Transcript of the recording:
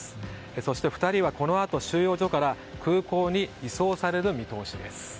そして２人はこのあと、収容所から空港に移送される見通しです。